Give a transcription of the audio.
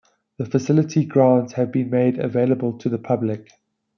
The facility grounds have been made available to the public.